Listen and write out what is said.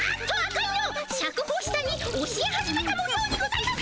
シャクほしさに教え始めたもようにございます！